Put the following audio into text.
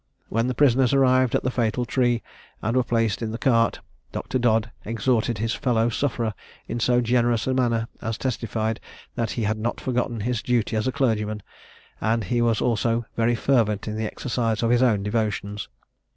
When the prisoners arrived at the fatal tree, and were placed in the cart, Dr. Dodd exhorted his fellow sufferer in so generous a manner, as testified that he had not forgotten his duty as a clergyman; and he was also very fervent in the exercise of his own devotions.